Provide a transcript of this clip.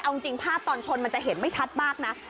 เอาจริงภาพตอนชนมันจะเห็นไม่ชัดมากนะ